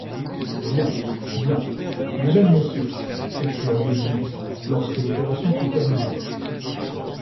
Bien..., bien..., mes jeunes messieurs!... s’écria Will Mitz, lorsque l’opération fut terminée.